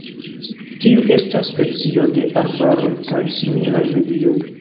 Tiu estas specio de arbaroj kaj similaj medioj.